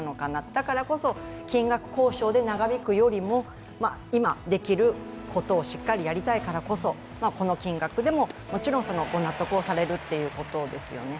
だからこそ、金額交渉で長引くよりも、今、できることをしっかりやりたいからこそ、この金額でも、もちろんご納得されるということですよね。